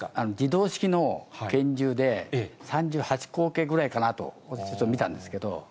自動式の拳銃で、３８口径ぐらいかなと、私はちょっと見たんですけど。